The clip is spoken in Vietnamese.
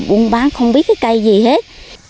uống bán không biết cái cây gì hết